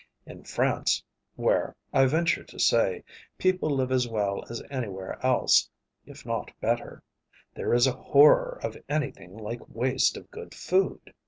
In France, where, I venture to say, people live as well as anywhere else, if not better, there is a horror of anything like waste of good food.